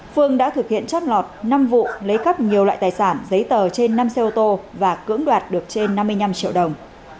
phương đã thực hiện trót lọt năm vụ lấy cắp nhiều loại tài sản giấy tờ trên năm xe ô tô và cưỡng đoạt được trên năm mươi năm triệu đồng